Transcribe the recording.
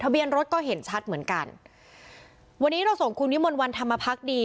เบียนรถก็เห็นชัดเหมือนกันวันนี้เราส่งคุณวิมลวันธรรมพักดี